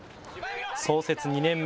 創設２年目。